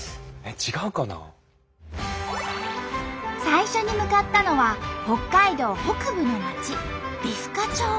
最初に向かったのは北海道北部の町美深町。